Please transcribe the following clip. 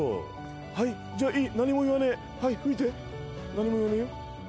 はいじゃあいい何も言わねえはい吹いて何も言わねえよ